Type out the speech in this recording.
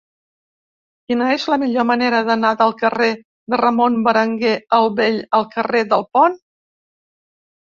Quina és la millor manera d'anar del carrer de Ramon Berenguer el Vell al carrer del Pont?